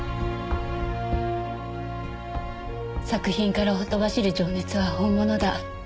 「作品からほとばしる情熱は本物だ」。